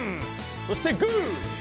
そしてグー！